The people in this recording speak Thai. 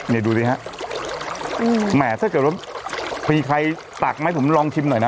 นี่ดูสิฮะแหมถ้าเกิดว่ามีใครตักไหมผมลองชิมหน่อยนะ